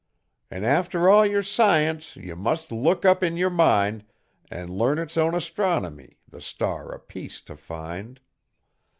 An' after all yer science ye must look up in yer mind, An' learn its own astronomy the star o' peace t' find.